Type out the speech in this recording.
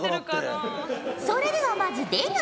それではまず出川。